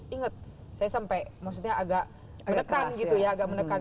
ingat saya sampai maksudnya agak menekan gitu ya agak menekan